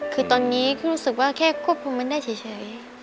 คือตอนนี้ก็รู้สึกว่าแค่ควบคุมมันได้เฉย